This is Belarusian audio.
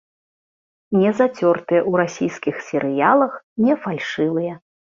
Не зацёртыя ў расійскіх серыялах, не фальшывыя.